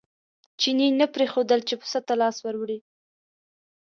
چیني نه پرېښودل چې پسه ته لاس ور وړي.